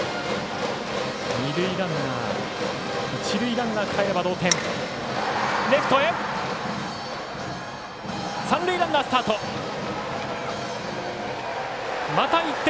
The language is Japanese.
二塁ランナー一塁ランナーかえれば同点。